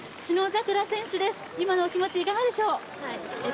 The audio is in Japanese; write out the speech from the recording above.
信櫻選手です、今のお気持ちいかがでしょう？